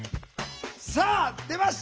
さあ出ました！